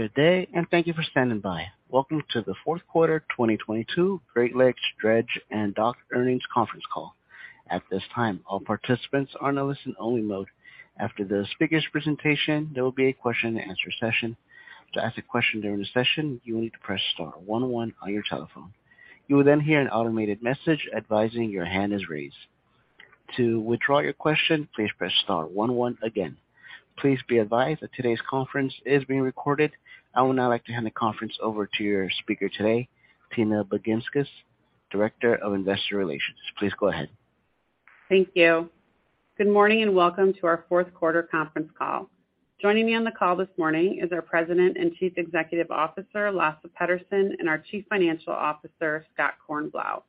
Good day, thank you for standing by. Welcome to the fourth quarter 2022 Great Lakes Dredge and Dock Earnings Conference Call. At this time, all participants are in a listen only mode. After the speaker's presentation, there will be a question and answer session. To ask a question during the session, you will need to press star 11 on your telephone. You will then hear an automated message advising your hand is raised. To withdraw your question, please press star 11 again. Please be advised that today's conference is being recorded. I would now like to hand the conference over to your speaker today, Tina Baginskis, Director of Investor Relations. Please go ahead. Thank you. Good morning and welcome to our fourth quarter conference call. Joining me on the call this morning is our President and Chief Executive Officer, Lasse Petterson, and our Chief Financial Officer, Scott Kornblau.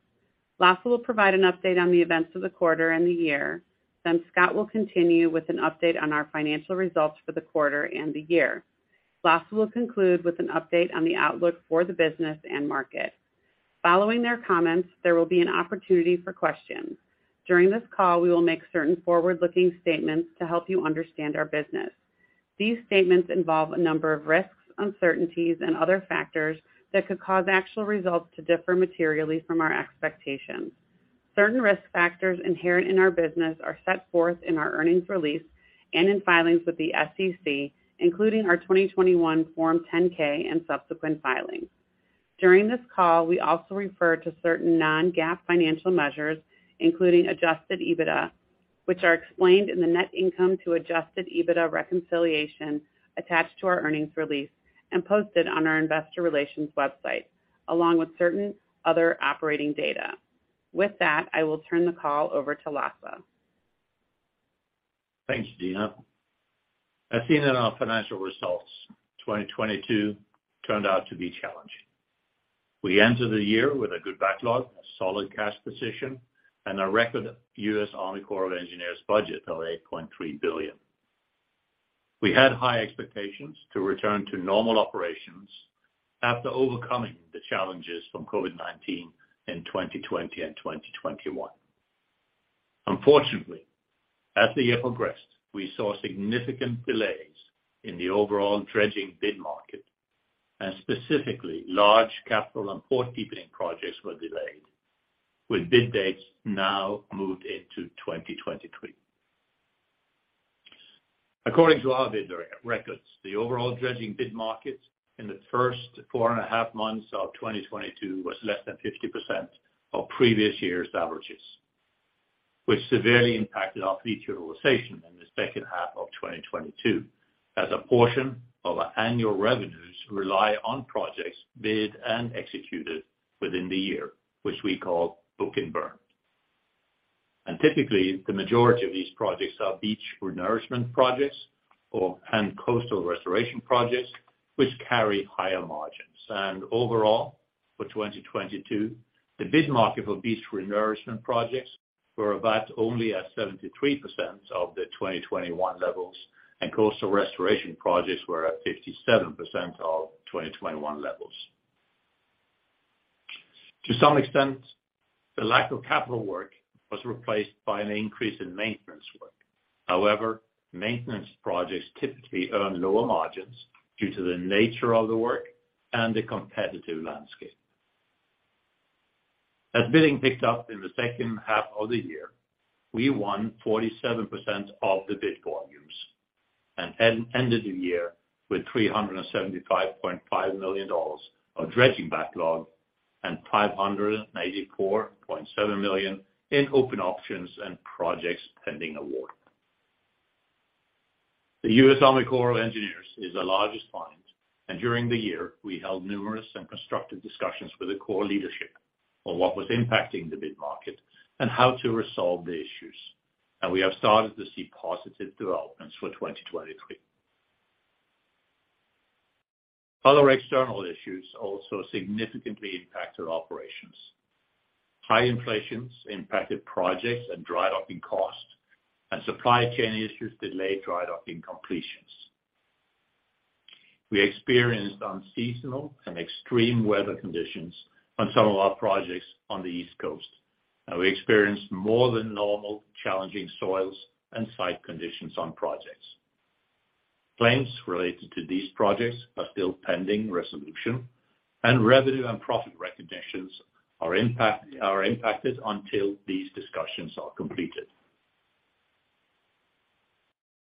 Lasse will provide an update on the events of the quarter and the year, then Scott will continue with an update on our financial results for the quarter and the year. Lasse will conclude with an update on the outlook for the business and market. Following their comments, there will be an opportunity for questions. During this call, we will make certain forward-looking statements to help you understand our business. These statements involve a number of risks, uncertainties, and other factors that could cause actual results to differ materially from our expectations. Certain risk factors inherent in our business are set forth in our earnings release and in filings with the SEC, including our 2021 Form 10-K and subsequent filings. During this call, we also refer to certain non-GAAP financial measures, including adjusted EBITDA, which are explained in the net income to adjusted EBITDA reconciliation attached to our earnings release and posted on our investor relations website, along with certain other operating data. With that, I will turn the call over to Lasse. Thanks, Tina. As seen in our financial results, 2022 turned out to be challenging. We entered the year with a good backlog, a solid cash position, and a record U.S. Army Corps of Engineers budget of $8.3 billion. We had high expectations to return to normal operations after overcoming the challenges from COVID-19 in 2020 and 2021. As the year progressed, we saw significant delays in the overall dredging bid market and specifically large capital and port deepening projects were delayed, with bid dates now moved into 2023. According to our bid re-records, the overall dredging bid market in the first 4.5 months of 2022 was less than 50% of previous year's averages, which severely impacted our fleet utilization in the second half of 2022 as a portion of our annual revenues rely on projects bid and executed within the year, which we call book and burn. Typically, the majority of these projects are beach renourishment projects or, and coastal restoration projects which carry higher margins. Overall, for 2022, the bid market for beach renourishment projects were about only at 73% of the 2021 levels, and coastal restoration projects were at 57% of 2021 levels. To some extent, the lack of capital work was replaced by an increase in maintenance work. However, maintenance projects typically earn lower margins due to the nature of the work and the competitive landscape. As bidding picked up in the second half of the year, we won 47% of the bid volumes and ended the year with $375.5 million of dredging backlog and $584.7 million in open options and projects pending award. The U.S. Army Corps of Engineers is the largest client, and during the year we held numerous and constructive discussions with the Corps leadership on what was impacting the bid market and how to resolve the issues. We have started to see positive developments for 2023. Other external issues also significantly impacted operations. High inflations impacted projects and dry docking costs, and supply chain issues delayed dry docking completions. We experienced unseasonal and extreme weather conditions on some of our projects on the East Coast. We experienced more than normal challenging soils and site conditions on projects. Claims related to these projects are still pending resolution. Revenue and profit recognitions are impacted until these discussions are completed.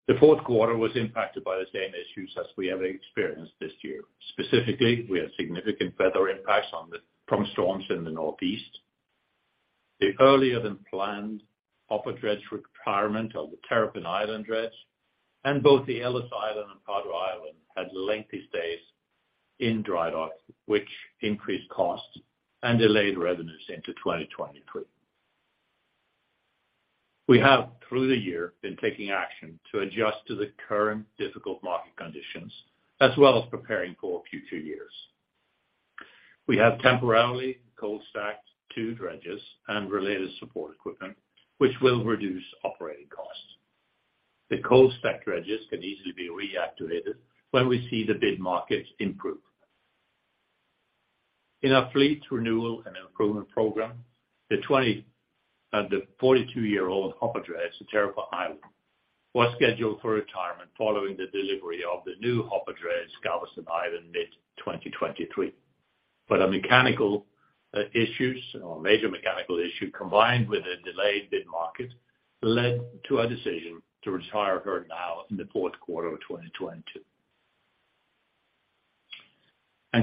The fourth quarter was impacted by the same issues as we have experienced this year. Specifically, we had significant weather impacts from storms in the Northeast. The earlier than planned hopper dredge requirement of the Terrapin Island dredge and both the Ellis Island and Padre Island had lengthy stays in dry dock, which increased costs and delayed revenues into 2023. We have through the year been taking action to adjust to the current difficult market conditions, as well as preparing for future years. We have temporarily cold stacked two dredges and related support equipment, which will reduce operating costs. The cold stacked dredges can easily be reactivated when we see the bid markets improve. In our fleet renewal and improvement program, the 42-year-old hopper dredge, the Terrapin Island, was scheduled for retirement following the delivery of the new hopper dredge, Galveston Island, mid-2023. A major mechanical issue, combined with a delayed bid market, led to a decision to retire her now in the fourth quarter of 2022.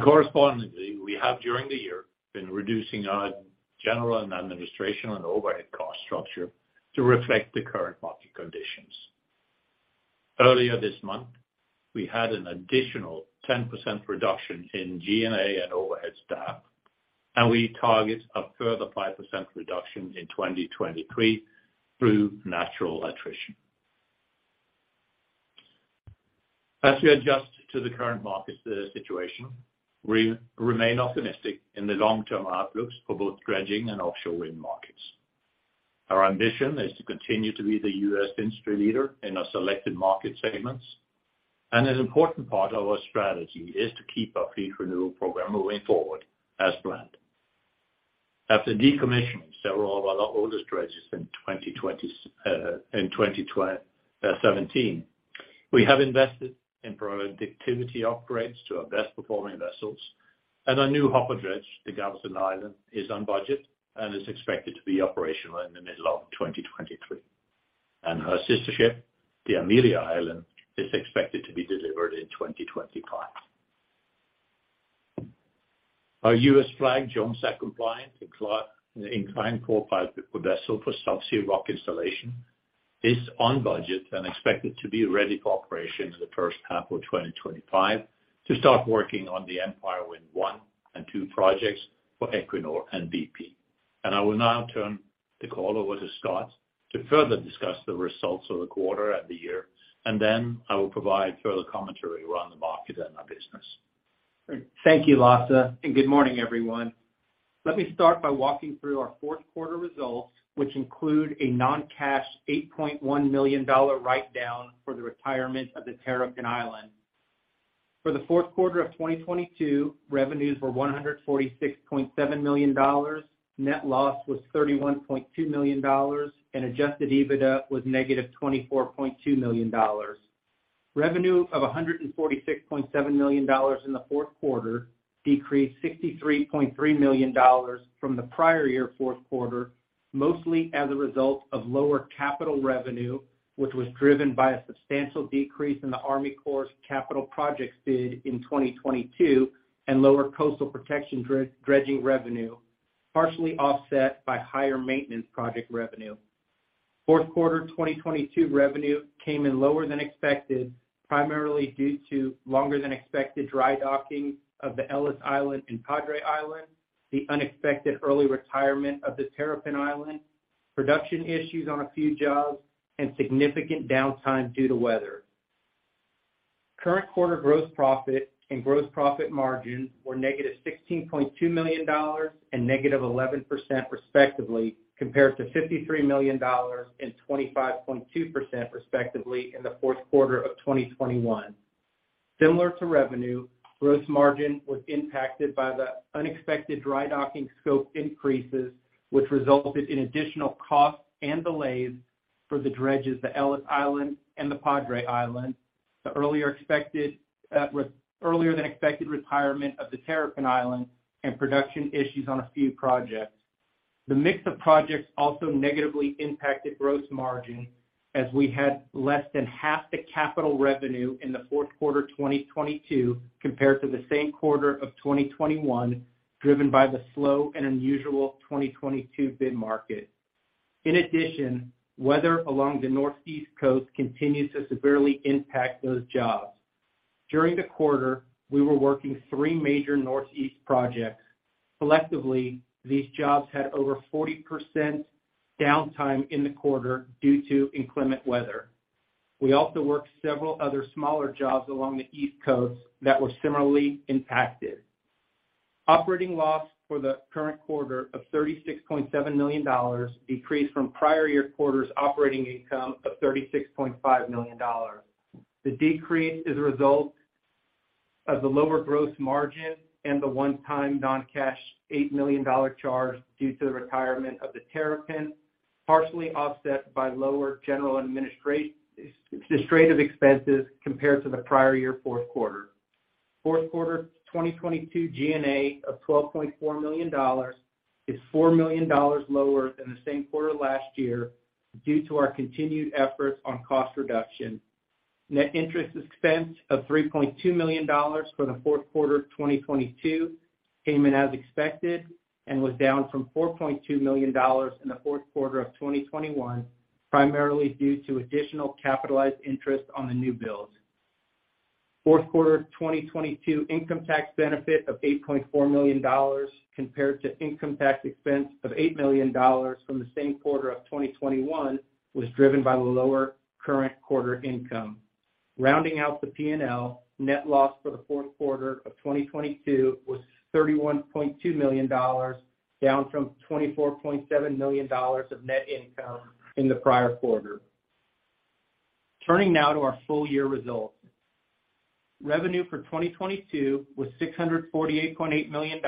Correspondingly, we have during the year, been reducing our general and administration and overhead cost structure to reflect the current market conditions. Earlier this month, we had an additional 10% reduction in G&A and overhead staff, and we target a further 5% reduction in 2023 through natural attrition. As we adjust to the current market situation, we remain optimistic in the long-term outlooks for both dredging and offshore wind markets. Our ambition is to continue to be the U.S. industry leader in our selected market segments. An important part of our strategy is to keep our fleet renewal program moving forward as planned. After decommissioning several of our oldest dredges in 2012, 2017, we have invested in productivity upgrades to our best-performing vessels. Our new hopper dredge, the Galveston Island, is on budget and is expected to be operational in the middle of 2023. Her sister ship, the Amelia Island, is expected to be delivered in 2025. Our U.S.-flagged Jones Act-compliant inclined pipeline vessel for subsea rock installation is on budget and expected to be ready for operation in the first half of 2025 to start working on the Empire Wind 1 and 2 projects for Equinor and bp. I will now turn the call over to Scott to further discuss the results of the quarter and the year, and then I will provide further commentary around the market and our business. Thank you, Lasse. Good morning, everyone. Let me start by walking through our fourth quarter results, which include a non-cash $8.1 million write-down for the retirement of the Terrapin Island. For the fourth quarter of 2022, revenues were $146.7 million. Net loss was $31.2 million, and adjusted EBITDA was negative $24.2 million. Revenue of $146.7 million in the fourth quarter decreased $63.3 million from the prior year fourth quarter, mostly as a result of lower capital revenue, which was driven by a substantial decrease in the Army Corps' capital projects bid in 2022 and lower coastal protection dredging revenue, partially offset by higher maintenance project revenue. Fourth quarter 2022 revenue came in lower than expected, primarily due to longer than expected dry docking of the Ellis Island and Padre Island, the unexpected early retirement of the Terrapin Island, production issues on a few jobs, and significant downtime due to weather. Current quarter gross profit and gross profit margin were negative $16.2 million and negative 11% respectively, compared to $53 million and 25.2% respectively in the fourth quarter of 2021. Similar to revenue, gross margin was impacted by the unexpected dry docking scope increases, which resulted in additional costs and delays for the dredges, the Ellis Island and the Padre Island. The earlier than expected retirement of the Terrapin Island and production issues on a few projects. The mix of projects also negatively impacted gross margin as we had less than half the capital revenue in the fourth quarter 2022 compared to the same quarter of 2021, driven by the slow and unusual 2022 bid market. In addition, weather along the Northeast coast continued to severely impact those jobs. During the quarter, we were working three major Northeast projects. Collectively, these jobs had over 40% downtime in the quarter due to inclement weather. We also worked several other smaller jobs along the East Coast that were similarly impacted. Operating loss for the current quarter of $36.7 million decreased from prior year quarter's operating income of $36.5 million. The decrease is a result of the lower gross margin and the one-time non-cash $8 million charge due to the retirement of the Terrapin, partially offset by lower general and administrative expenses compared to the prior year fourth quarter. Fourth quarter 2022 G&A of $12.4 million is $4 million lower than the same quarter last year due to our continued efforts on cost reduction. Net interest expense of $3.2 million for the fourth quarter of 2022 came in as expected and was down from $4.2 million in the fourth quarter of 2021, primarily due to additional capitalized interest on the new builds. Fourth quarter 2022 income tax benefit of $8.4 million compared to income tax expense of $8 million from the same quarter of 2021 was driven by the lower current quarter income. Rounding out the P&L, net loss for the fourth quarter of 2022 was $31.2 million, down from $24.7 million of net income in the prior quarter. Turning now to our full year results. Revenue for 2022 was $648.8 million.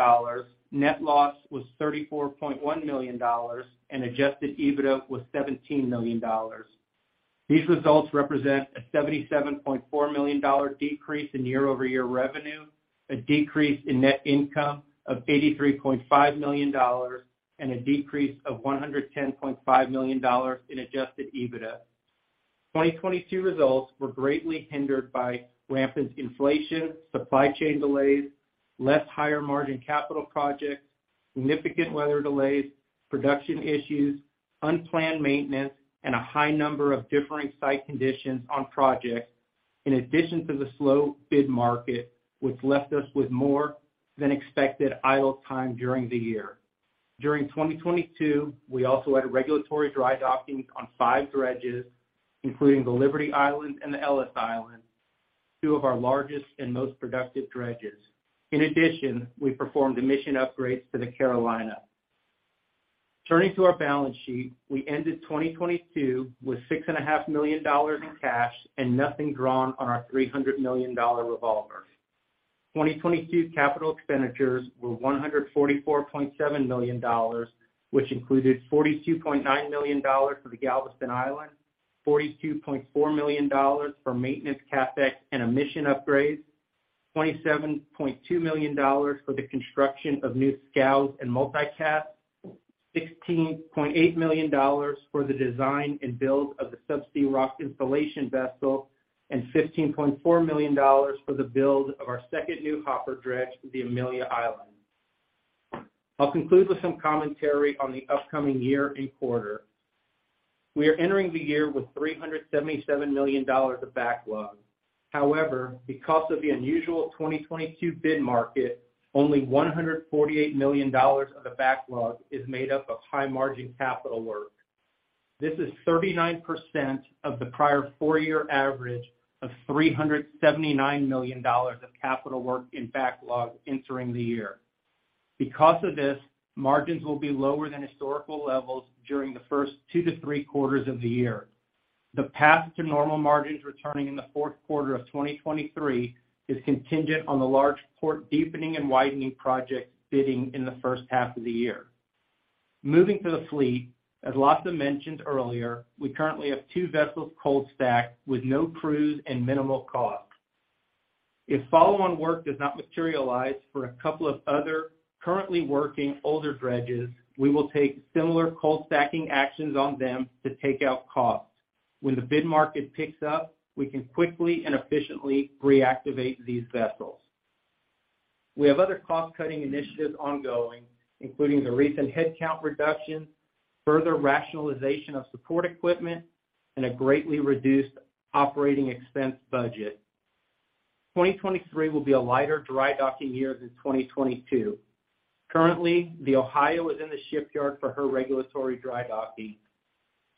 Net loss was $34.1 million, and adjusted EBITDA was $17 million. These results represent a $77.4 million decrease in year-over-year revenue, a decrease in net income of $83.5 million, and a decrease of $110.5 million in adjusted EBITDA. 2022 results were greatly hindered by rampant inflation, supply chain delays, less higher margin capital projects, significant weather delays, production issues, unplanned maintenance, and a high number of differing site conditions on projects, in addition to the slow bid market, which left us with more than expected idle time during the year. During 2022, we also had regulatory dry docking on five dredges, including the Liberty Island and the Ellis Island, two of our largest and most productive dredges. In addition, we performed emission upgrades to the Carolina. Turning to our balance sheet, we ended 2022 with $6.5 million in cash and nothing drawn on our $300 million revolver. 2022 capital expenditures were $144.7 million, which included $42.9 million for the Galveston Island, $42.4 million for maintenance CapEx and emission upgrades, $27.2 million for the construction of new scows and multicat, $16.8 million for the design and build of the subsea rock installation vessel, and $15.4 million for the build of our second new hopper dredge, the Amelia Island. I'll conclude with some commentary on the upcoming year and quarter. We are entering the year with $377 million of backlog. However, because of the unusual 2022 bid market, only $148 million of the backlog is made up of high-margin capital work. This is 39% of the prior 4-year average of $379 million of capital work in backlog entering the year. Because of this, margins will be lower than historical levels during the first two to three quarters of the year. The path to normal margins returning in the fourth quarter of 2023 is contingent on the large port deepening and widening projects bidding in the first half of the year. Moving to the fleet, as Lasse mentioned earlier, we currently have two vessels cold stacked with no crews and minimal cost. If follow-on work does not materialize for a couple of other currently working older dredges, we will take similar cold stacking actions on them to take out costs. When the bid market picks up, we can quickly and efficiently reactivate these vessels. We have other cost-cutting initiatives ongoing, including the recent headcount reduction, further rationalization of support equipment, and a greatly reduced operating expense budget. 2023 will be a lighter dry docking year than 2022. Currently, the Ohio is in the shipyard for her regulatory dry docking.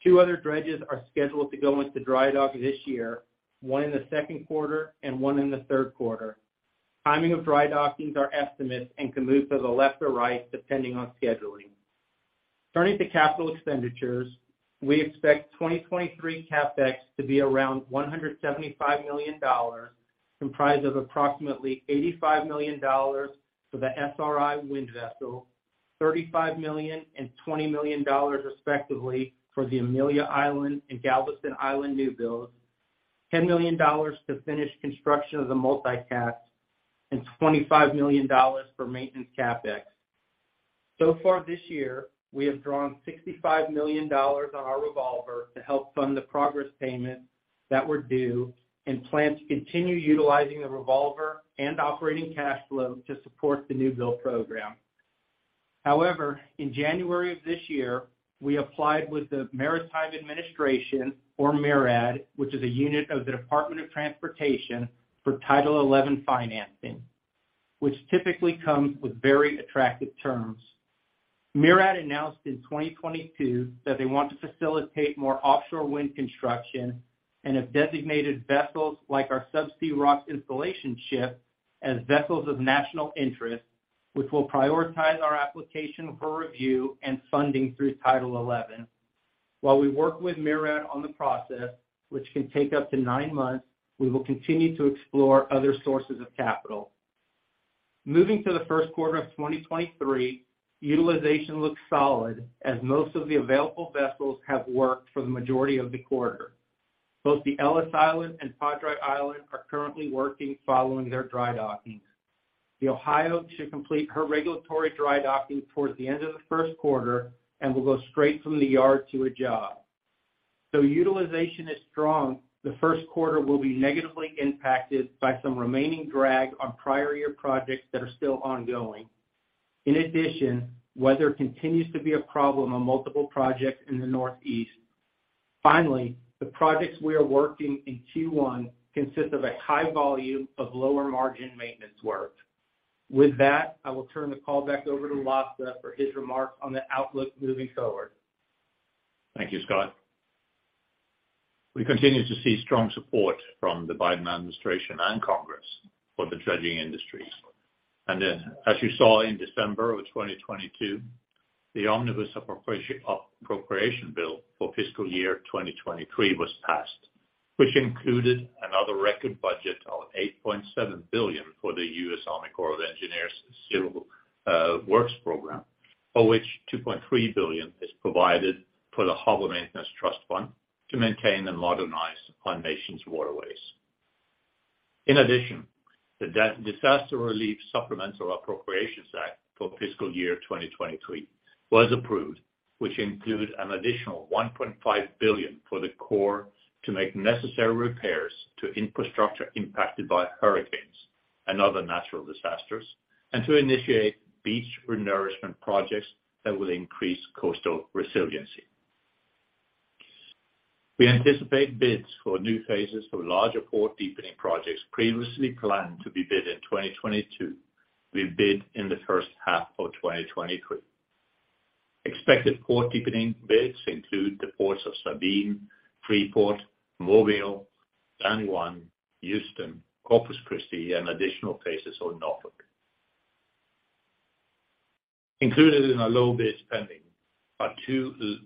2 other dredges are scheduled to go into dry dock this year, one in the second quarter and one in the third quarter. Timing of dry dockings are estimates and can move to the left or right depending on scheduling. Turning to capital expenditures, we expect 2023 CapEx to be around $175 million, comprised of approximately $85 million for the SRI wind vessel, $35 million and $20 million respectively for the Amelia Island and Galveston Island new builds, $10 million to finish construction of the multicat, and $25 million for maintenance CapEx. Far this year, we have drawn $65 million on our revolver to help fund the progress payment that were due and plan to continue utilizing the revolver and operating cash flow to support the new build program. In January of this year, we applied with the Maritime Administration, or MARAD, which is a unit of the Department of Transportation, for Title XI financing, which typically comes with very attractive terms. MARAD announced in 2022 that they want to facilitate more offshore wind construction and have designated vessels like our subsea rock installation ship as vessels of national interest, which will prioritize our application for review and funding through Title XI. While we work with MARAD on the process, which can take up to 9 months, we will continue to explore other sources of capital. Moving to the 1st quarter of 2023, utilization looks solid as most of the available vessels have worked for the majority of the quarter. Both the Ellis Island and Padre Island are currently working following their dry dockings. The Ohio should complete her regulatory dry docking towards the end of the 1st quarter and will go straight from the yard to a job. Utilization is strong, the 1st quarter will be negatively impacted by some remaining drag on prior year projects that are still ongoing. In addition, weather continues to be a problem on multiple projects in the Northeast. Finally, the projects we are working in Q1 consist of a high volume of lower margin maintenance work. With that, I will turn the call back over to Lasse for his remarks on the outlook moving forward. Thank you, Scott. We continue to see strong support from the Biden administration and Congress for the dredging industry. As you saw in December 2022, the Omnibus Appropriation Bill for fiscal year 2023 was passed, which included another record budget of $8.7 billion for the U.S. Army Corps of Engineers Civil Works program, for which $2.3 billion is provided for the Harbor Maintenance Trust Fund to maintain and modernize our nation's waterways. In addition, the Disaster Relief Supplemental Appropriations Act for fiscal year 2023 was approved, which includes an additional $1.5 billion for the Corps to make necessary repairs to infrastructure impacted by hurricanes and other natural disasters, and to initiate beach renourishment projects that will increase coastal resiliency. We anticipate bids for new phases for larger port deepening projects previously planned to be bid in 2022 will bid in the first half of 2023. Expected port deepening bids include the ports of Sabine, Freeport, Mobile, San Juan, Houston, Corpus Christi, and additional phases on Norfolk. Included in our low bid spending are 2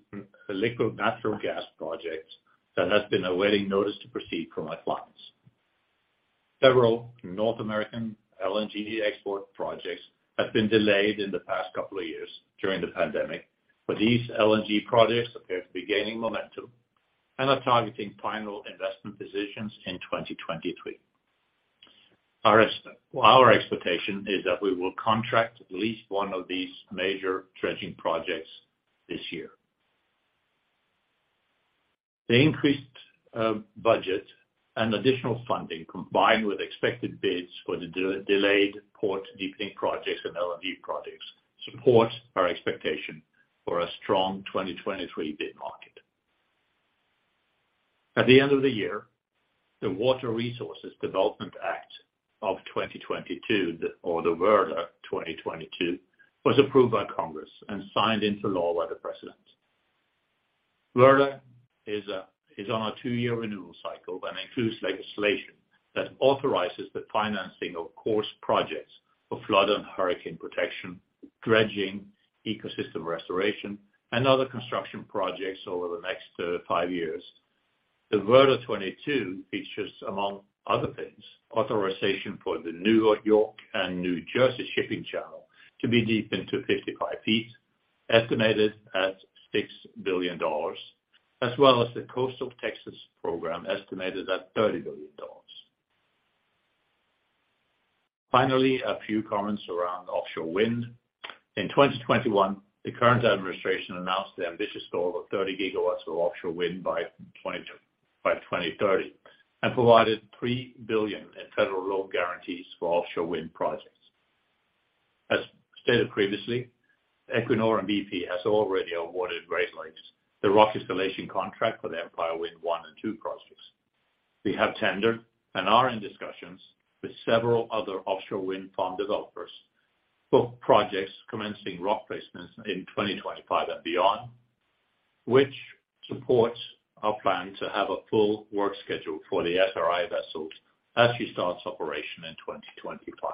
liquid natural gas projects that has been awaiting notice to proceed from our clients. Several North American LNG export projects have been delayed in the past couple of years during the pandemic, but these LNG projects appear to be gaining momentum and are targeting final investment decions in 2023. Our expectation is that we will contract at least one of these major dredging projects this year. The increased budget and additional funding, combined with expected bids for the delayed port deepening projects and LNG projects, support our expectation for a strong 2023 bid market. At the end of the year, the Water Resources Development Act of 2022, or the WRDA 2022, was approved by Congress and signed into law by the President. WRDA is on a 2-year renewal cycle and includes legislation that authorizes the financing of course projects for flood and hurricane protection, dredging, ecosystem restoration, and other construction projects over the next 5 years. The WRDA 2022 features, among other things, authorization for the New York and New Jersey shipping channel to be deepened to 55 feet, estimated at $6 billion, as well as the Coastal Texas Program, estimated at $30 billion. Finally, a few comments around offshore wind. In 2021, the current administration announced the ambitious goal of 30 gigawatts of offshore wind by 2030, and provided $3 billion in federal loan guarantees for offshore wind projects. As stated previously, Equinor and bp has already awarded Great Lakes the rock installation contract for the Empire Wind 1 and 2 projects. We have tendered and are in discussions with several other offshore wind farm developers for projects commencing rock placements in 2025 and beyond, which supports our plan to have a full work schedule for the SRI vessels as she starts operation in 2025.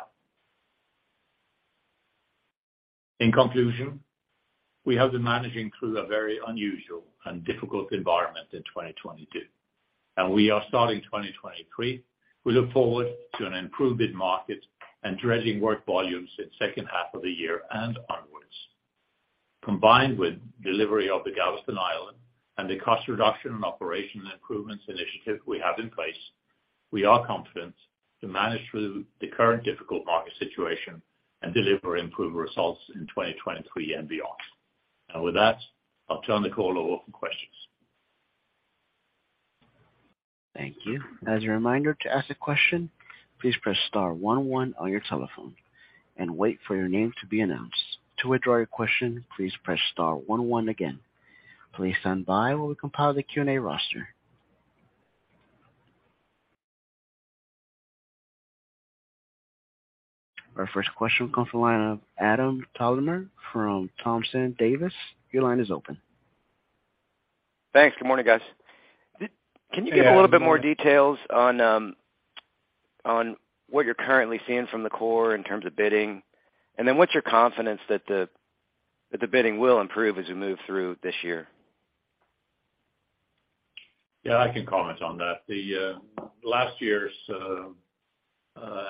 We have been managing through a very unusual and difficult environment in 2022, and we are starting 2023. We look forward to an improved bid market and dredging work volumes in second half of the year and onwards. Combined with delivery of the Galveston Island and the cost reduction and operation improvements initiative we have in place, we are confident to manage through the current difficult market situation and deliver improved results in 2023 and beyond. With that, I'll turn the call over for questions. Thank you. As a reminder, to ask a question, please press star one one on your telephone and wait for your name to be announced. To withdraw your question, please press star one one again. Please stand by while we compile the Q&A roster. Our first question comes from the line of Adam Thalhimer from Thompson Davis. Your line is open. Thanks. Good morning, guys. Yeah. Good morning. Can you give a little bit more details on what you're currently seeing from the Corps in terms of bidding? What's your confidence that the bidding will improve as we move through this year? Yeah, I can comment on that. The last year's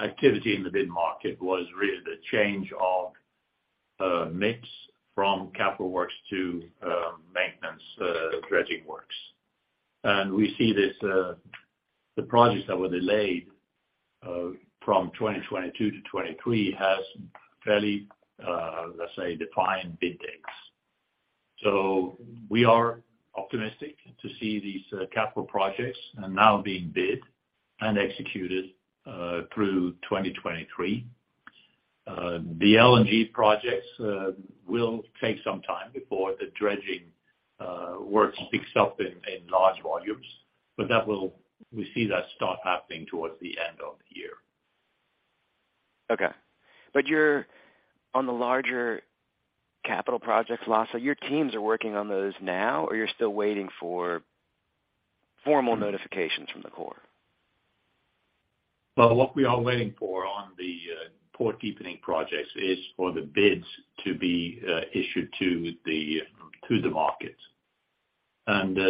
activity in the bid market was really the change of mix from capital works to maintenance dredging works. We see this, the projects that were delayed from 2022 to 2023 has fairly, let's say defined bid dates. We are optimistic to see these capital projects are now being bid and executed through 2023. The LNG projects will take some time before the dredging works picks up in large volumes, but we see that start happening towards the end of the year. Okay. You're on the larger capital projects, Lasse. Your teams are working on those now, or you're still waiting for formal notification from the Corps? What we are waiting for on the port deepening projects is for the bids to be issued to the market.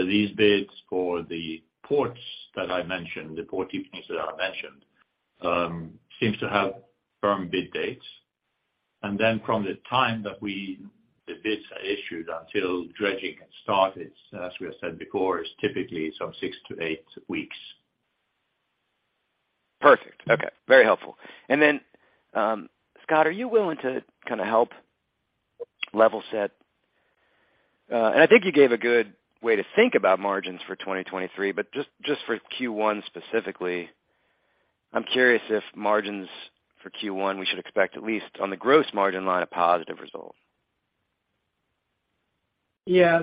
These bids for the ports that I mentioned, the port deepenings that I mentioned, seems to have firm bid dates. From the time that the bids are issued until dredging can start, as we have said before, is typically some 6 to 8 weeks. Perfect. Okay. Very helpful. Scott, are you willing to kind of help level set? I think you gave a good way to think about margins for 2023, but just for Q1 specifically, I'm curious if margins for Q1, we should expect at least on the gross margin line, a positive result. Yeah.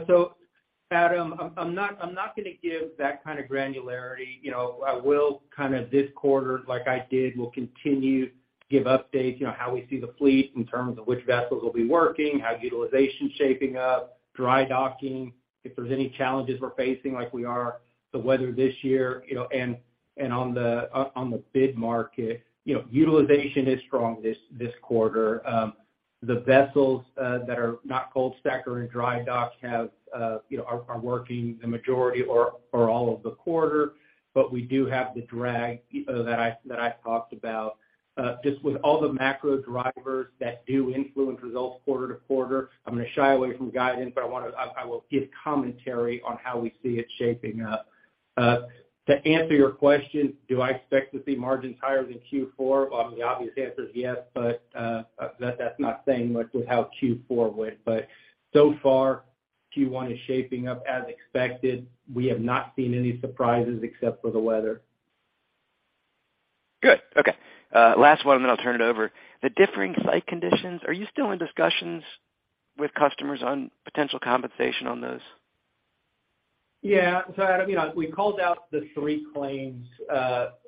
Adam, I'm not gonna give that kind of granularity. You know, I will kind of this quarter like I did, we'll continue to give updates, you know, how we see the fleet in terms of which vessels will be working, how utilization's shaping up, dry docking, if there's any challenges we're facing like we are, the weather this year, you know, and on the bid market. You know, utilization is strong this quarter. The vessels that are not cold stacked and dry dock have, you know, are working the majority or all of the quarter. We do have the drag that I've talked about. Just with all the macro drivers that do influence results quarter to quarter, I'm gonna shy away from guidance, but I will give commentary on how we see it shaping up. To answer your question, do I expect to see margins higher than Q4? The obvious answer is yes, but that's not saying much with how Q4 went. So far, Q1 is shaping up as expected. We have not seen any surprises except for the weather. Good. Okay. Last one, then I'll turn it over. The differing site conditions, are you still in discussions with customers on potential compensation on those? Yeah. Adam, you know, we called out the 3 claims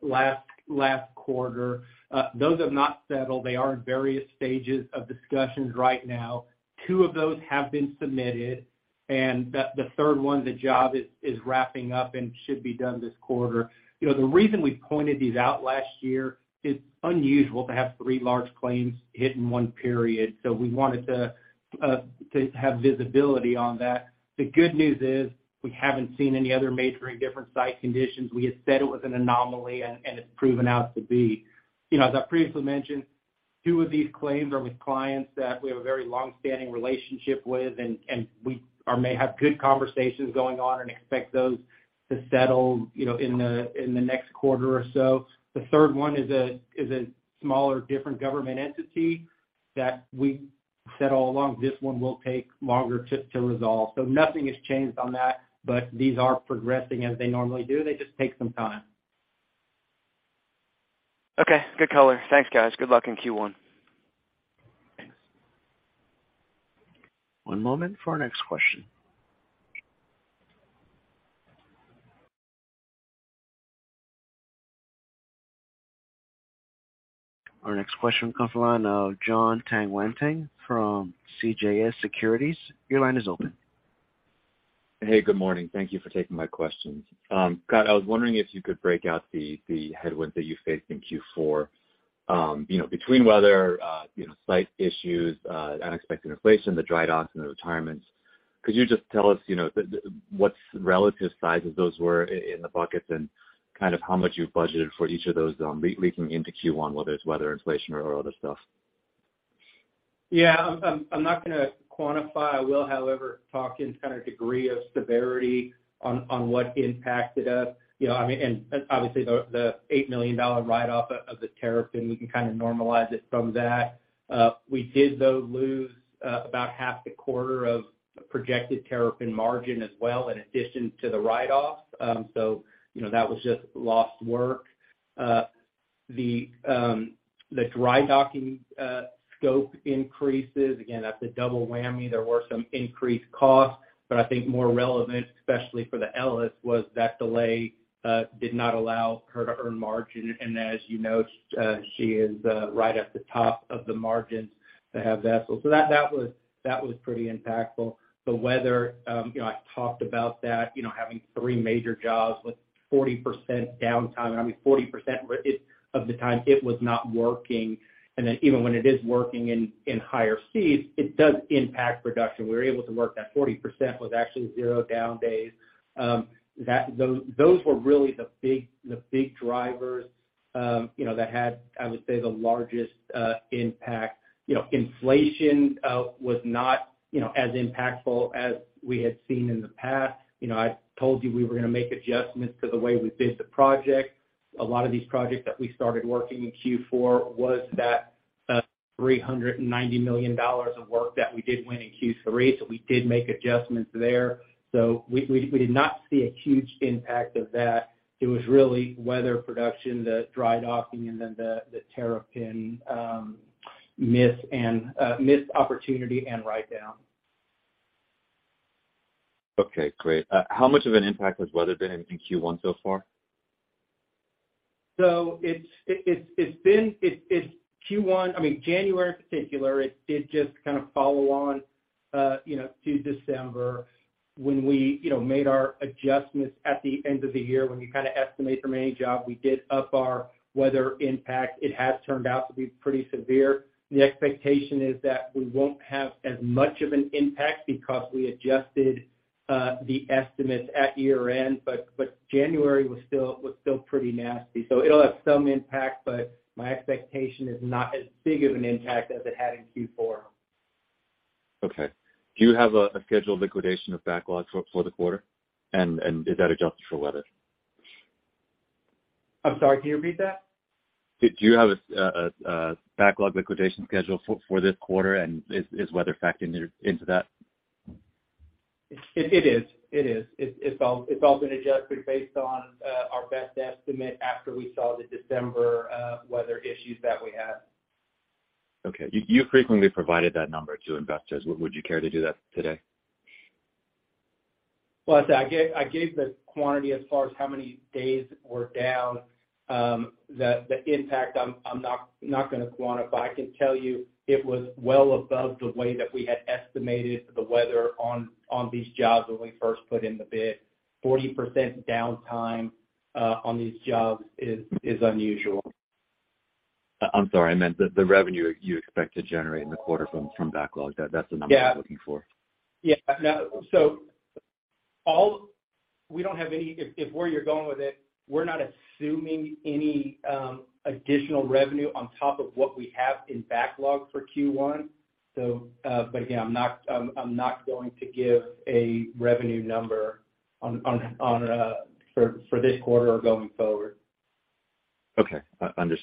last quarter. Those have not settled. They are in various stages of discussions right now. 2 of those have been submitted, and the 3rd one, the job is wrapping up and should be done this quarter. You know, the reason we pointed these out last year, it's unusual to have 3 large claims hit in 1 period. We wanted to have visibility on that. The good news is we haven't seen any other major different site conditions. We had said it was an anomaly and it's proven out to be. You know, as I previously mentioned, two of these claims are with clients that we have a very long-standing relationship with, and we may have good conversations going on and expect those to settle, you know, in the next quarter or so. The third one is a smaller different government entity that we said all along, this one will take longer to resolve. Nothing has changed on that, but these are progressing as they normally do. They just take some time. Okay. Good color. Thanks, guys. Good luck in Q1. Thanks. One moment for our next question. Our next question comes from the line of Jonathan Tanwanteng from CJS Securities. Your line is open. Hey, good morning. Thank you for taking my questions. Scott, I was wondering if you could break out the headwinds that you faced in Q4, you know, between weather, you know, site issues, unexpected inflation, the dry docks and the retirements. Could you just tell us, you know, the what relative size of those were in the buckets and kind of how much you've budgeted for each of those, leaning into Q1, whether it's weather, inflation or other stuff? Yeah. I'm not gonna quantify. I will, however, talk in kind of degree of severity on what impacted us. You know, I mean, obviously the $8 million write-off of the Terrapin, we can kind of normalize it from that. We did, though, lose about half the quarter of projected Terrapin margin as well in addition to the write-off. You know, that was just lost work. The dry docking scope increases, again, that's a double whammy. There were some increased costs, but I think more relevant, especially for the Ellis, was that delay did not allow her to earn margin. As you know, she is right at the top of the margins to have vessels. That was pretty impactful. The weather, you know, I've talked about that, you know, having three major jobs with 40% downtime. I mean, 40% of the time it was not working. Even when it is working in higher seas, it does impact production. We were able to work that 40% with actually zero down days. Those were really the big drivers, you know, that had, I would say, the largest impact. You know, inflation was not, you know, as impactful as we had seen in the past. You know, I told you we were gonna make adjustments to the way we bid the project. A lot of these projects that we started working in Q4 was that $390 million of work that we did win in Q3. We did make adjustments there. We did not see a huge impact of that. It was really weather production, the dry docking, and then the Terrapin missed opportunity and write-down. Okay, great. How much of an impact has weather been in Q1 so far? It's been Q1, I mean, January in particular, it did just kind of follow on, you know, to December when we, you know, made our adjustments at the end of the year. When we kind of estimated the main job, we did up our weather impact. It has turned out to be pretty severe. The expectation is that we won't have as much of an impact because we adjusted the estimates at year-end. January was still pretty nasty. It'll have some impact, but my expectation is not as big of an impact as it had in Q4. Okay. Do you have a scheduled liquidation of backlog for the quarter? Is that adjusted for weather? I'm sorry, can you repeat that? Did you have a backlog liquidation schedule for this quarter? Is weather factored into that? It is. It is. It's all been adjusted based on our best estimate after we saw the December weather issues that we had. Okay. You frequently provided that number to investors. Would you care to do that today? Well, I gave the quantity as far as how many days were down. The impact I'm not gonna quantify. I can tell you it was well above the way that we had estimated the weather on these jobs when we first put in the bid. 40% downtime on these jobs is unusual. I'm sorry. I meant the revenue you expect to generate in the quarter from backlog. That's the number I'm looking for. Yeah. No. All... We don't have any... If where you're going with it, we're not assuming any additional revenue on top of what we have in backlog for Q1. But again, I'm not going to give a revenue number on for this quarter or going forward. od.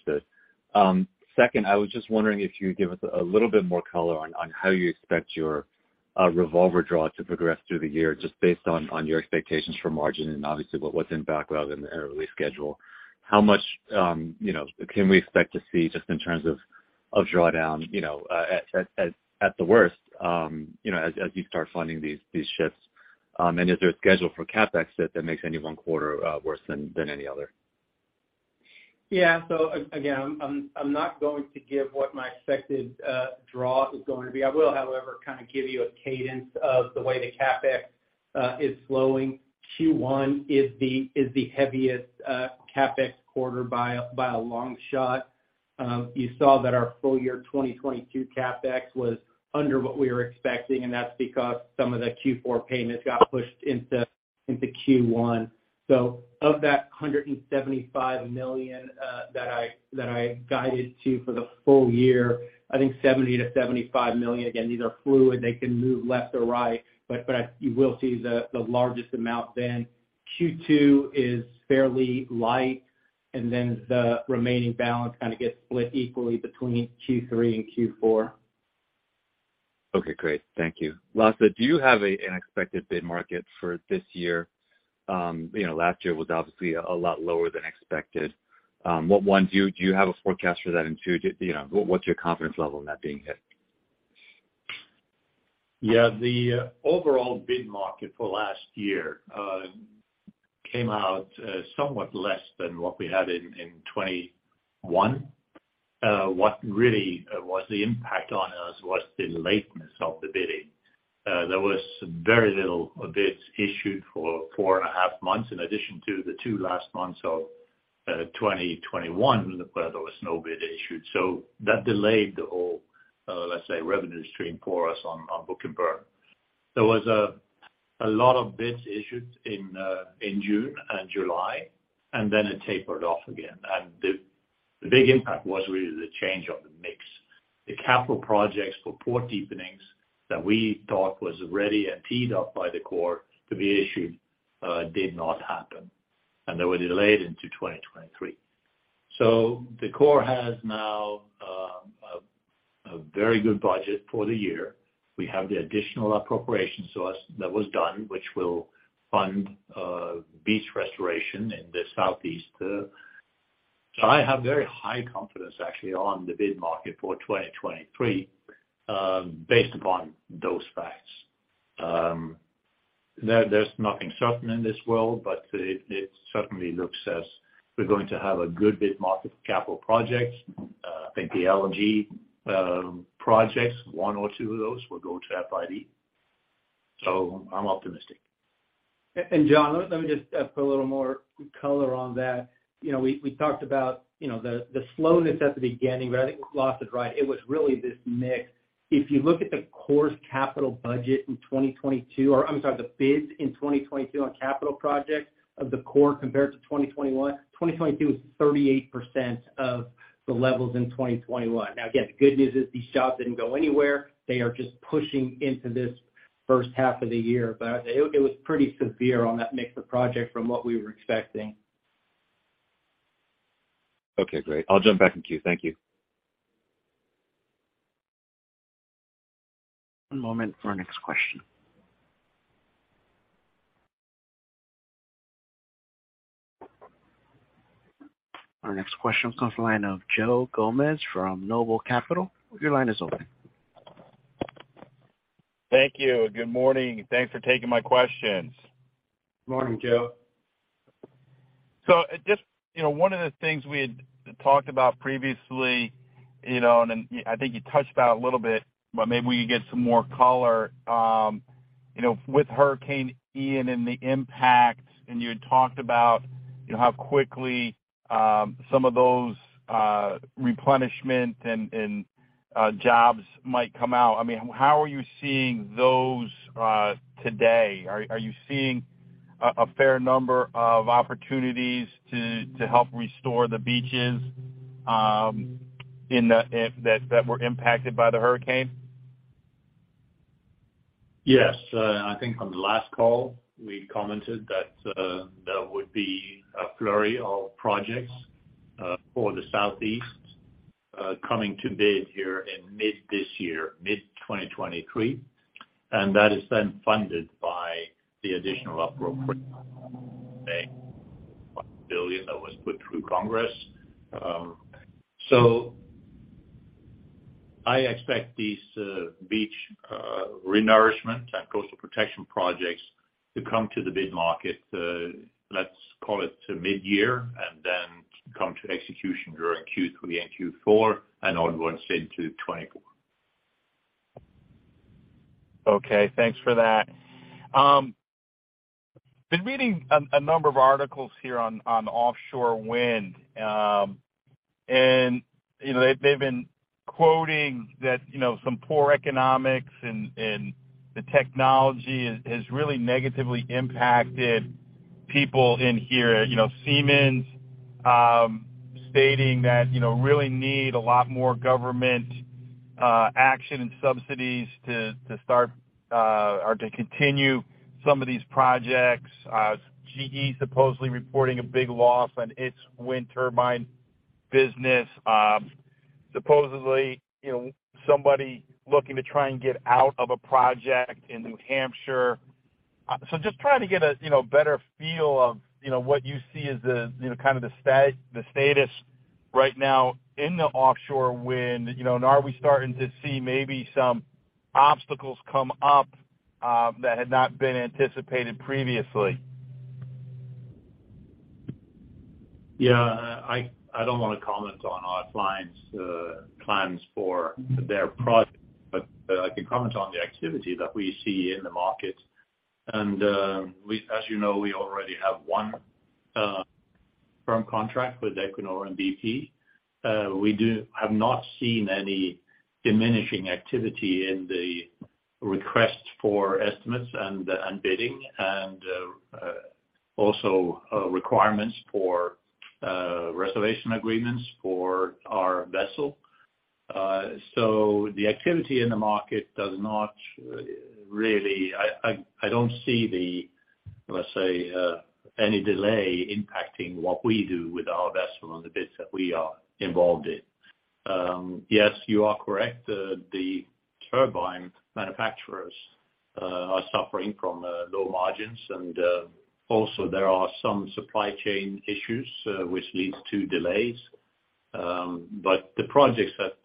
Second, I was just wondering if you could give us a little bit more color on how you expect your revolver draw to progress through the year, just based on your expectations for margin and obviously what's in backlog and the early schedule. How much, you know, can we expect to see just in terms of drawdown, you know, at the worst, you know, as you start funding these ships? And is there a schedule for CapEx that makes any one quarter worse than any other Again, I'm not going to give what my expected draw is going to be. I will, however, kind of give you a cadence of the way the CapEx is flowing. Q1 is the heaviest CapEx quarter by a long shot. You saw that our full year 2022 CapEx was under what we were expecting, and that's because some of the Q4 payments got pushed into Q1. Of that $175 million that I guided to for the full year, I think $70 million-$75 million, again, these are fluid, they can move left or right, but you will see the largest amount. Q2 is fairly light, and the remaining balance kinda gets split equally between Q3 and Q4. Okay, great. Thank you. Lasse, do you have an expected bid market for this year? You know, last year was obviously a lot lower than expected. What one do you have a forecast for that, you know, what's your confidence level in that being hit? Yeah. The overall bid market for last year came out somewhat less than what we had in 2021. What really was the impact on us was the lateness of the bidding. There was very little bids issued for 4.5 months, in addition to the 2 last months of 2021, where there was no bid issued. That delayed the whole, let's say, revenue stream for us on book and burn. There was a lot of bids issued in June and July, and then it tapered off again. The big impact was really the change of the mix. The capital projects for port deepenings that we thought was ready and teed up by the Corps to be issued did not happen, and they were delayed into 2023. The Corps has now a very good budget for the year. We have the additional appropriation source that was done, which will fund beach restoration in the southeast. I have very high confidence actually on the bid market for 2023 based upon those facts. There's nothing certain in this world, but it certainly looks as if we're going to have a good bid market for capital projects. I think the LNG projects, one or two of those will go to FID. I'm optimistic. Jonathan, let me just put a little more color on that. You know, we talked about, you know, the slowness at the beginning, but I think Lasse is right. It was really this mix. If you look at the Corps' capital budget in 2022, or I'm sorry, the bids in 2022 on capital projects of the Corps compared to 2021, 2022 was 38% of the levels in 2021. The good news is these jobs didn't go anywhere. They are just pushing into this first half of the year. It was pretty severe on that mix of project from what we were expecting. Okay, great. I'll jump back in queue. Thank you. One moment for our next question. Our next question comes from the line of Joe Gomes from Noble Capital. Your line is open. Thank you. Good morning. Thanks for taking my questions. Morning, Joe. Just, you know, one of the things we had talked about previously, you know, and I think you touched on it a little bit, but maybe we could get some more color, you know, with Hurricane Ian and the impact, and you had talked about, you know, how quickly some of those replenishment and jobs might come out. I mean, how are you seeing those today? Are you seeing a fair number of opportunities to help restore the beaches in the that were impacted by the hurricane? Yes. I think on the last call, we commented that there would be a flurry of projects for the Southeast coming to bid here in mid this year, mid-2023, that is then funded by the additional appropriation billion that was put through Congress. I expect these beach renourishment and coastal protection projects to come to the bid market, let's call it midyear and then come to execution during Q3 and Q4 and onwards into 2024. Okay. Thanks for that. Been reading a number of articles here on offshore wind. You know, they've been quoting that, you know, some poor economics and the technology has really negatively impacted people in here. You know, Siemens, stating that, you know, really need a lot more government action and subsidies to start or to continue some of these projects. GE supposedly reporting a big loss on its wind turbine business. Supposedly, you know, somebody looking to try and get out of a project in New Hampshire. Just trying to get a, you know, better feel of, you know, what you see as the, you know, kind of the status right now in the offshore wind, you know, and are we starting to see maybe some obstacles come up that had not been anticipated previously? Yeah. I don't wanna comment on our clients', clients for their projects, but I can comment on the activity that we see in the market. As you know, we already have one firm contract with Equinor and bp. We have not seen any diminishing activity in the request for estimates and bidding and also requirements for reservation agreements for our vessel. The activity in the market does not really... I don't see the, let's say, any delay impacting what we do with our vessel on the bids that we are involved in. Yes, you are correct. The turbine manufacturers are suffering from low margins and also there are some supply chain issues which leads to delays. The projects that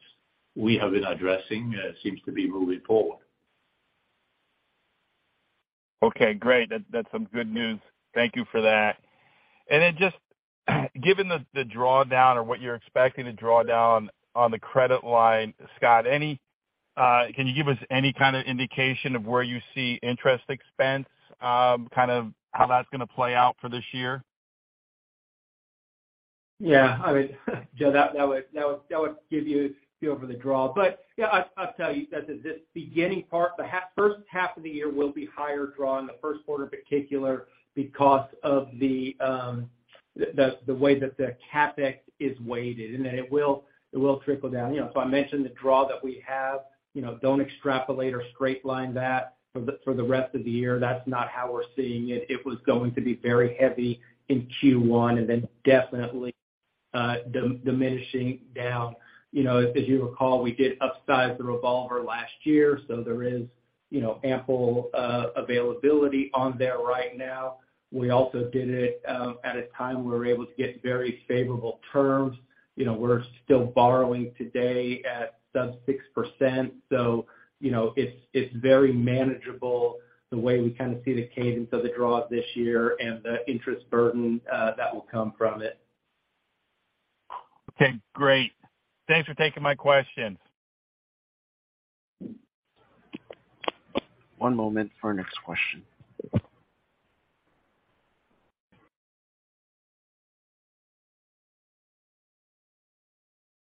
we have been addressing, seems to be moving forward. Okay, great. That's some good news. Thank you for that. Just given the drawdown or what you're expecting to draw down on the credit line, Scott, any can you give us any kind of indication of where you see interest expense, kind of how that's gonna play out for this year? Yeah. I mean, Joe, that would give you feel for the draw. Yeah, I'll tell you that the, this beginning part, the first half of the year will be higher draw in the first quarter particular because of the way that the CapEx is weighted and it will trickle down. You know, if I mentioned the draw that we have, you know, don't extrapolate or straight line that for the, for the rest of the year. That's not how we're seeing it. It was going to be very heavy in Q1 and then definitely, diminishing down. You know, as you recall, we did upsize the revolver last year. There is, you know, ample availability on there right now. We also did it at a time we were able to get very favorable terms. You know, we're still borrowing today at sub 6%, so, you know, it's very manageable the way we kind of see the cadence of the draws this year and the interest burden that will come from it. Okay, great. Thanks for taking my questions. One moment for our next question.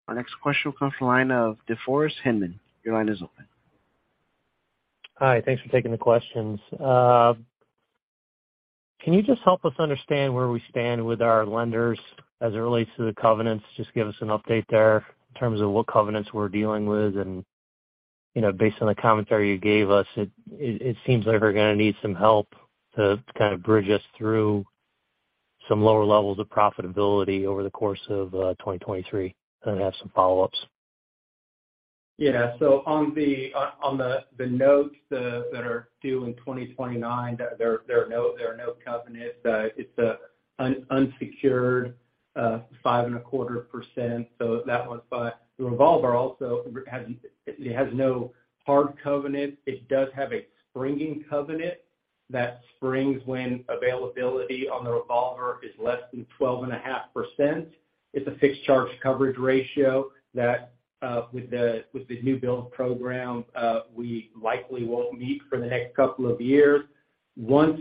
Our next question comes from the line of DeForest Hinman. Your line is open. Hi. Thanks for taking the questions. Can you just help us understand where we stand with our lenders as it relates to the covenants? Just give us an update there in terms of what covenants we're dealing with. You know, based on the commentary you gave us, it seems like we're gonna need some help to kind of bridge us through some lower levels of profitability over the course of, 2023. I have some follow-ups. On the notes that are due in 2029, there are no covenants. It's a unsecured 5.25%. That one's by the revolver also has it has no hard covenant. It does have a springing covenant. That springs when availability on the revolver is less than 12.5%. It's a fixed charge coverage ratio that, with the new build program, we likely won't meet for the next couple of years. Once,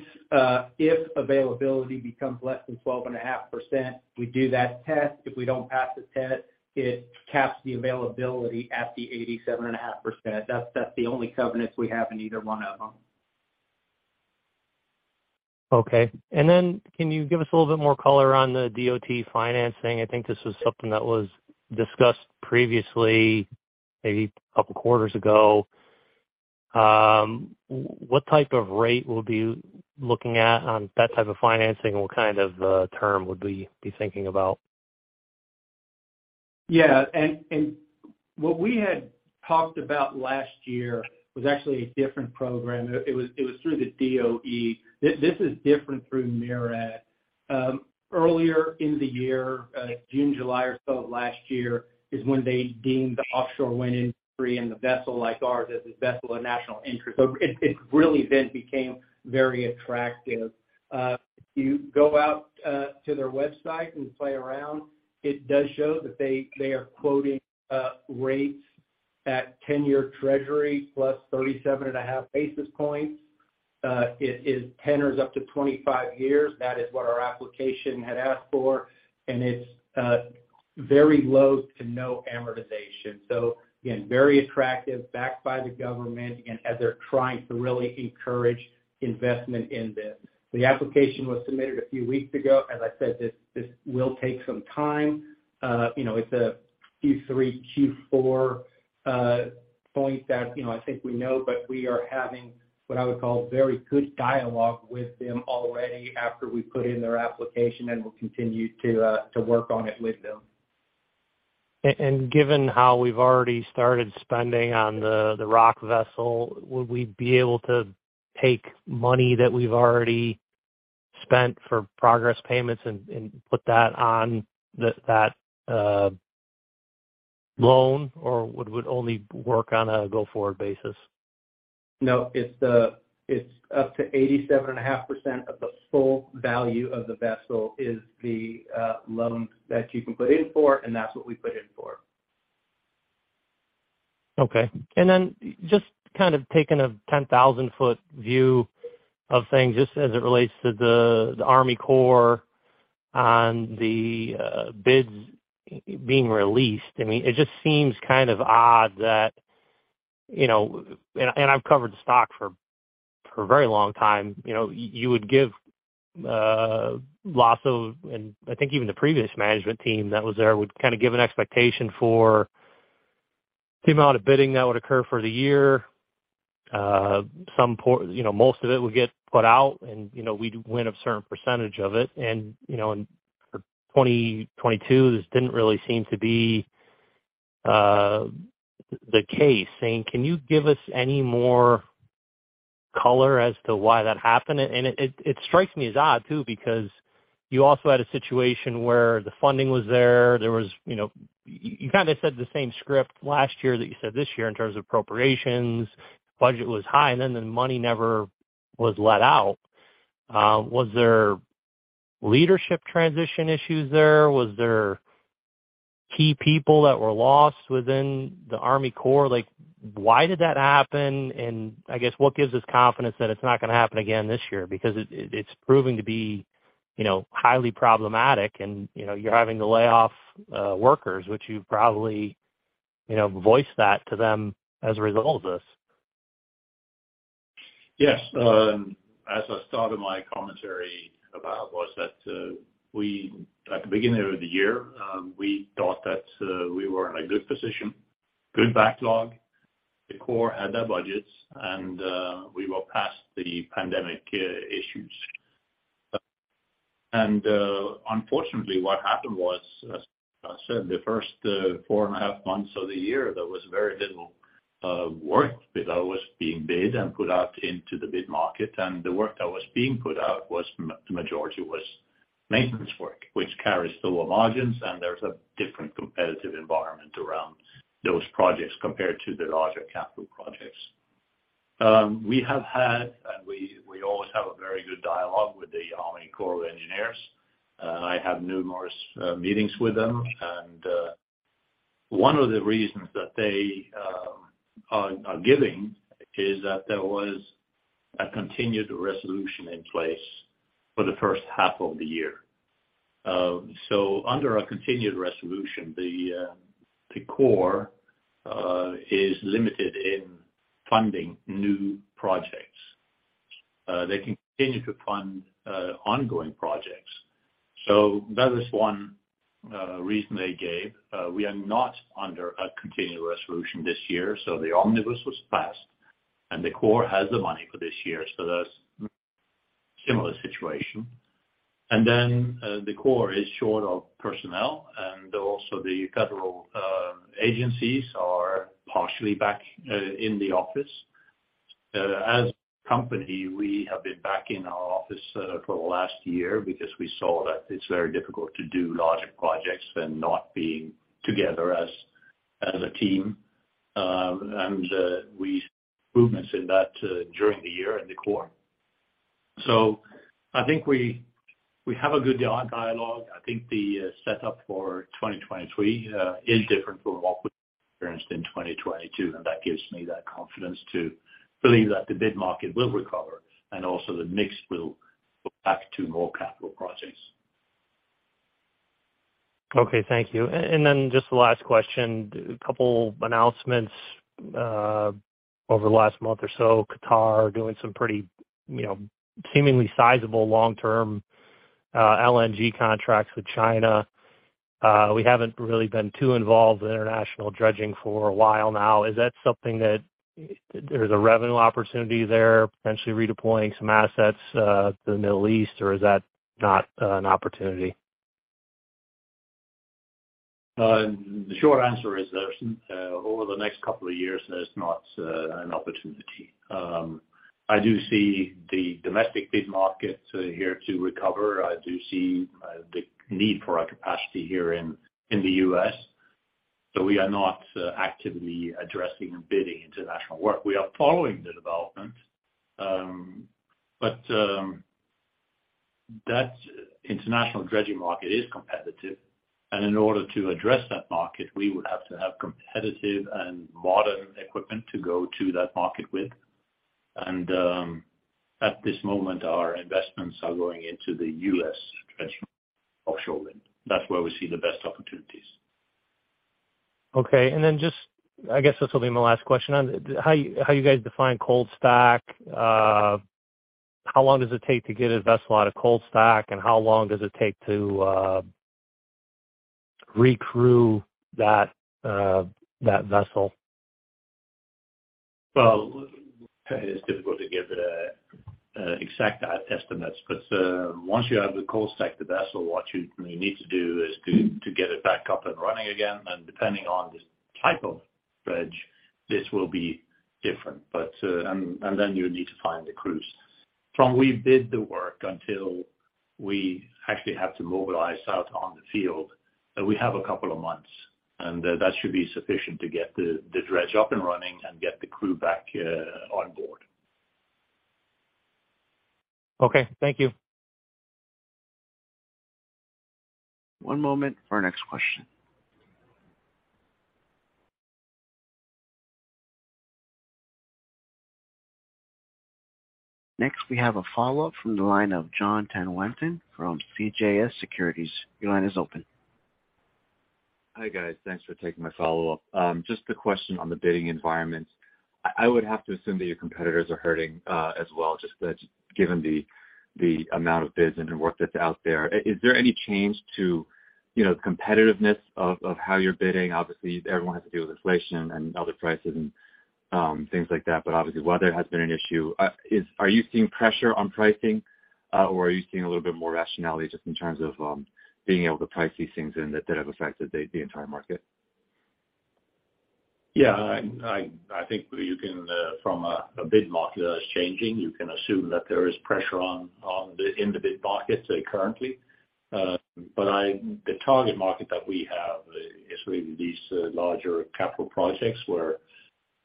if availability becomes less than 12.5%, we do that test. If we don't pass the test, it caps the availability at the 87.5%. That's the only covenants we have in either one of them. Okay. Can you give us a little bit more color on the DOT financing? I think this was something that was discussed previously, maybe a couple quarters ago. What type of rate will be looking at on that type of financing? What kind of term would we be thinking about? What we had talked about last year was actually a different program. It was through the DOE. This is different through MARAD. Earlier in the year, June, July or so of last year is when they deemed the offshore wind industry and the vessel like ours as a vessel of national interest. It really then became very attractive. If you go out to their website and play around, it does show that they are quoting rates at 10-year Treasury plus 37.5 basis points. It is 10 years up to 25 years. That is what our application had asked for, and it's very low to no amortization. Again, very attractive, backed by the government and as they're trying to really encourage investment in this. The application was submitted a few weeks ago. As I said, this will take some time. you know, it's a Q3, Q4, point that, you know, I think we know, but we are having what I would call very good dialogue with them already after we put in their application and we'll continue to work on it with them. Given how we've already started spending on the rock vessel, would we be able to take money that we've already spent for progress payments and put that on that loan, or would it only work on a go-forward basis? No. It's up to 87.5% of the full value of the vessel is the loan that you can put in for. That's what we put in for. Okay. Then just kind of taking a 10,000 foot view of things just as it relates to the Army Corps on the bids being released. I mean, it just seems kind of odd that, you know. I've covered the stock for a very long time. I think even the previous management team that was there would kind of give an expectation for the amount of bidding that would occur for the year. You know, most of it would get put out and, you know, we'd win a certain percentage of it. You know, in for 2022, this didn't really seem to be the case. Can you give us any more color as to why that happened? It strikes me as odd too because you also had a situation where the funding was there. There was, you know, you kind of said the same script last year that you said this year in terms of appropriations. Budget was high, and then the money never was let out. Was there leadership transition issues there? Was there key people that were lost within the Army Corps? Like, why did that happen? I guess what gives us confidence that it's not gonna happen again this year? Because it's proving to be, you know, highly problematic and, you know, you're having to lay off workers, which you've probably, you know, voiced that to them as a result of this. Yes. As I started my commentary about was that, at the beginning of the year, we thought that we were in a good position, good backlog. The Corps had their budgets, we were past the pandemic issues. Unfortunately what happened was, as I said, the first 4.5 months of the year, there was very little work that was being bid and put out into the bid market. The work that was being put out was the majority was maintenance work, which carries lower margins, and there's a different competitive environment around those projects compared to the larger capital projects. We have had, we always have a very good dialogue with the Army Corps of Engineers. I have numerous meetings with them. One of the reasons that they are giving is that there was a continuing resolution in place for the first half of the year. Under our continuing resolution, the Corps is limited in funding new projects. They continue to fund ongoing projects. That is one reason they gave. We are not under a continuing resolution this year, the Omnibus was passed and the Corps has the money for this year. That's similar situation. The Corps is short of personnel and also the federal agencies are partially back in the office. As a company, we have been back in our office for the last year because we saw that it's very difficult to do larger projects when not being together as a team. We movements in that during the year in the core. I think we have a good dialogue. I think the setup for 2023 is different from what we experienced in 2022, and that gives me that confidence to believe that the bid market will recover and also the mix will go back to more capital projects. Okay. Thank you. Just the last question. A couple announcements over the last month or so. Qatar doing some pretty, you know, seemingly sizable long-term LNG contracts with China. We haven't really been too involved in international dredging for a while now. Is that something that there's a revenue opportunity there, potentially redeploying some assets to the Middle East, or is that not an opportunity? The short answer is there's over the next couple of years, there's not an opportunity. I do see the domestic bid market here to recover. I do see the need for our capacity here in the U.S. We are not actively addressing and bidding international work. We are following the development. That international dredging market is competitive, and in order to address that market, we would have to have competitive and modern equipment to go to that market with. At this moment, our investments are going into the U.S. dredge offshore wind. That's where we see the best opportunities. Okay. Then just I guess this will be my last question on how you guys define cold stack. How long does it take to get a vessel out of cold stack? How long does it take to recrew that vessel? Well, it is difficult to give exact estimates, but once you have the cold stack, the vessel, what you need to do is to get it back up and running again. Depending on the type of dredge, this will be different. Then you need to find the crews. From we bid the work until we actually have to mobilize out on the field, we have a couple of months, that should be sufficient to get the dredge up and running and get the crew back on board. Okay, thank you. One moment for our next question. Next, we have a follow-up from the line of John Tanwanteng from CJS Securities. Your line is open. Hi, guys. Thanks for taking my follow-up. Just a question on the bidding environment. I would have to assume that your competitors are hurting as well, just that given the amount of bids and the work that's out there. Is there any change to, you know, the competitiveness of how you're bidding? Obviously, everyone has to deal with inflation and other prices and things like that, but obviously weather has been an issue. Are you seeing pressure on pricing or are you seeing a little bit more rationality just in terms of being able to price these things in that have affected the entire market? Yeah. I think you can, from a bid market that is changing, you can assume that there is pressure on the bid market currently. The target market that we have is really these larger capital projects where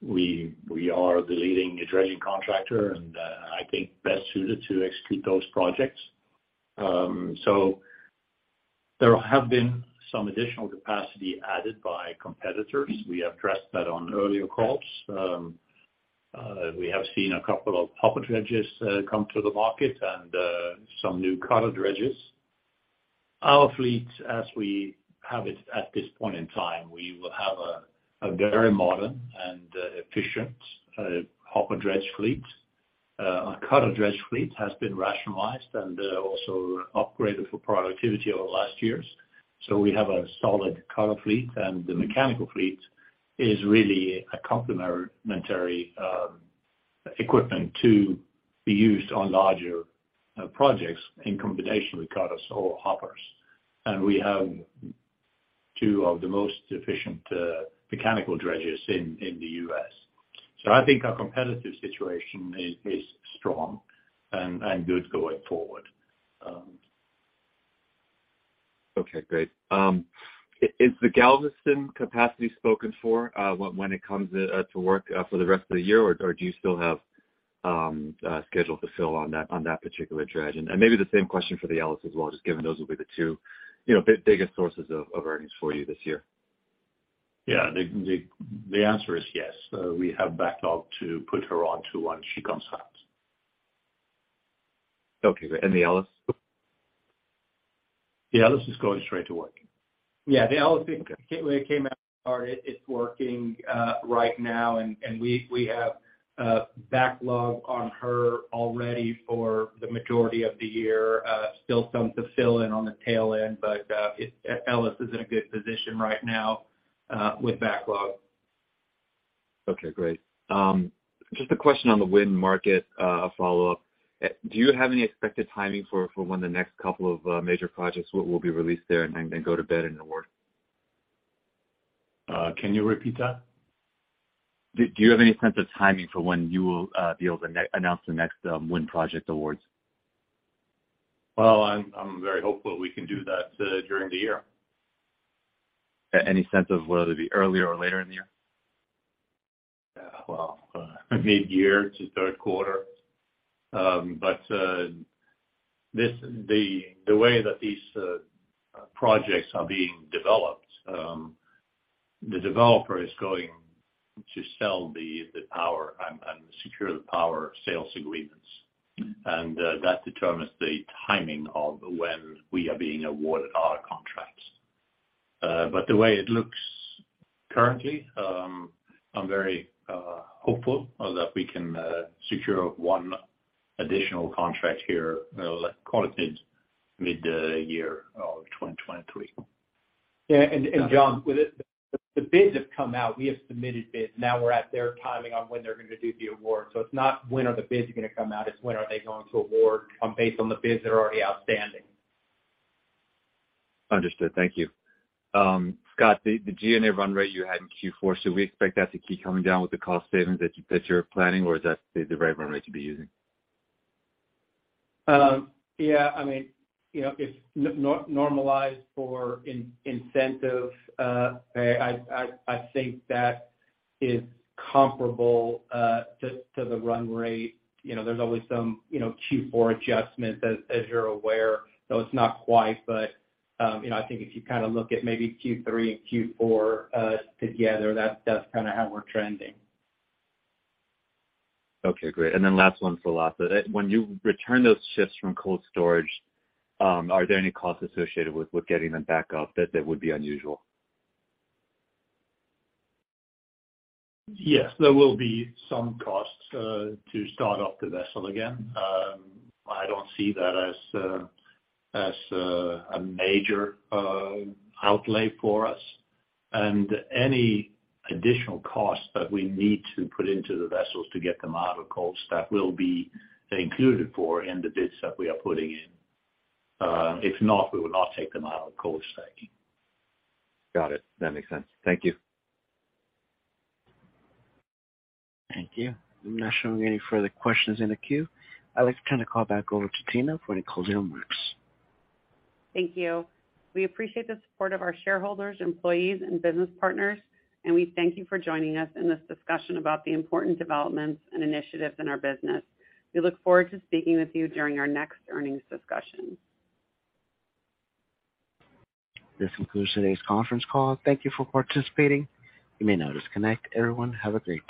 we are the leading dredging contractor and I think best suited to execute those projects. There have been some additional capacity added by competitors. We have addressed that on earlier calls. We have seen 2 hopper dredges come to the market and some new cutter dredges. Our fleet, as we have it at this point in time, we will have a very modern and efficient hopper dredge fleet. Our cutter dredge fleet has been rationalized and also upgraded for productivity over the last years. We have a solid cutter fleet, and the mechanical fleet is really a complementary equipment to be used on larger projects in combination with cutters or hoppers. We have two of the most efficient mechanical dredges in the U.S. I think our competitive situation is strong and good going forward. Okay, great. Is the Galveston capacity spoken for, when it comes to work, for the rest of the year? Or do you still have schedule to fill on that particular dredge? Maybe the same question for the Ellis as well, just given those will be the two, you know, biggest sources of earnings for you this year? Yeah. The answer is yes. We have backlog to put her onto once she comes out. Okay. The Ellis Island? The Ellis is going straight to work. Yeah. The Ellis, it came out hard. It's working right now and we have backlog on her already for the majority of the year. Still some to fill in on the tail end. Ellis is in a good position right now, with backlog. Okay, great. Just a question on the wind market, a follow-up. Do you have any expected timing for when the next couple of major projects will be released there and go to bid in the work? Can you repeat that? Do you have any sense of timing for when you will be able to announce the next wind project awards? I'm very hopeful we can do that, during the year. Any sense of whether it be earlier or later in the year? mid-year to third quarter. The way that these projects are being developed, the developer is going to sell the power and secure the power sales agreements. Mm-hmm. That determines the timing of when we are being awarded our contracts. The way it looks currently, I'm very hopeful that we can secure one additional contract here, like quality mid-year of 2023. Yeah. John, with it, the bids have come out. We have submitted bids. Now we're at their timing on when they're gonna do the award. It's not when are the bids gonna come out, it's when are they going to award on based on the bids that are already outstanding. Understood. Thank you. Scott, the G&A run rate you had in Q4, should we expect that to keep coming down with the cost savings that you're planning or is that the right run rate to be using? Yeah, I mean, you know, if normalized for incentive, I think that is comparable to the run rate. You know, there's always some, you know, Q4 adjustments as you're aware, though it's not quite but, you know, I think if you kind of look at maybe Q3 and Q4 together, that's kinda how we're trending. Okay, great. Last one for Lasse. When you return those ships from cold stacked, are there any costs associated with getting them back up that would be unusual? Yes, there will be some costs to start up the vessel again. I don't see that as a major outlay for us. Any additional costs that we need to put into the vessels to get them out of cold stack will be included for in the bids that we are putting in. If not, we will not take them out of cold stacking. Got it. That makes sense. Thank you. Thank you. I'm not showing any further questions in the queue. I'd like to turn the call back over to Tina for any closing remarks. Thank you. We appreciate the support of our shareholders, employees, and business partners, and we thank you for joining us in this discussion about the important developments and initiatives in our business. We look forward to speaking with you during our next earnings discussion. This concludes today's conference call. Thank you for participating. You may now disconnect. Everyone, have a great day.